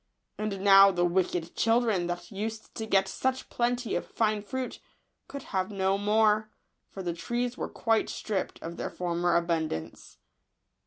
And now the wicked children, that used to get such plenty of fine fruit, could have no more ; for the trees were quite stripped of their former abundance.